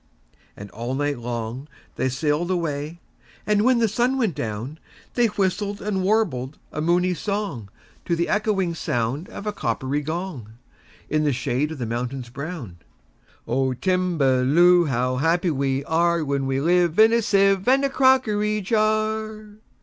And all night long they sail'd away; And, when the sun went down, They whistled and warbled a moony songTo the echoing sound of a coppery gong, In the shade of the mountains brown,"O Timballoo! how happy we areWhen we live in a sieve and a crockery jar!